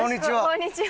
こんにちは。